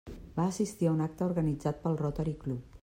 Va assistir a un acte organitzat pel Rotary Club.